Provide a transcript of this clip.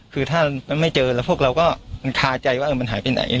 คือถ้ามันไม่เจอแล้วพวกเราก็มันคาใจว่ามันหายไปไหน